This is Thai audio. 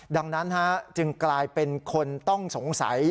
ดังนั้นจึงกลายเป็นคนต้องสงสัย